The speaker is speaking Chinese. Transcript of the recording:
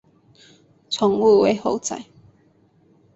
宠物为猴仔。